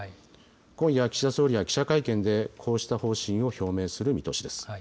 今夜、岸田総理は記者会見で、こうした方針を表明する見通しです。